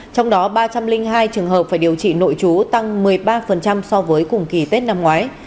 trong đó ba trăm linh hai trường hợp phải điều trị nội trú tăng một mươi ba so với cùng kỳ tết năm ngoái